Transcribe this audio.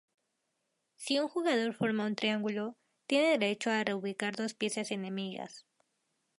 Si un jugador forma un triángulo, tiene derecho a reubicar dos piezas enemigas.